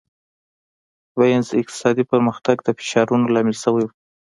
وینز اقتصادي پرمختګ د فشارونو لامل شوی و.